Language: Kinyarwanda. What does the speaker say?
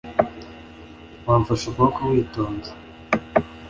wamfashe ukuboko witonze